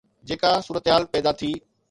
جيڪا صورتحال پيدا ٿي